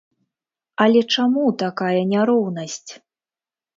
Але чаму такая няроўнасць?